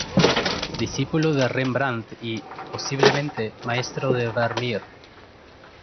Discípulo de Rembrandt y, posiblemente, maestro de Vermeer.